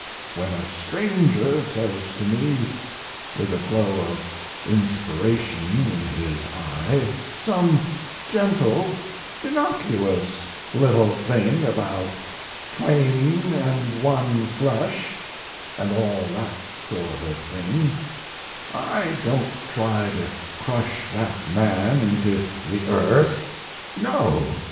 When a stranger says to me, with a glow of inspiration in his eye, some gentle, innocuous little thing about "Twain and one flesh" and all that sort of thing, I don't try to crush that man into the earth no.